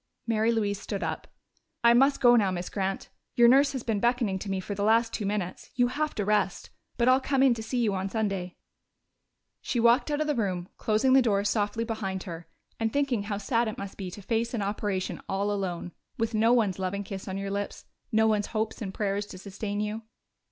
Mary Louise stood up. "I must go now, Miss Grant. Your nurse has been beckoning to me for the last two minutes. You have to rest.... But I'll come in to see you on Sunday." She walked out of the room, closing the door softly behind her and thinking how sad it must be to face an operation all alone, with no one's loving kiss on your lips, no one's hopes and prayers to sustain you.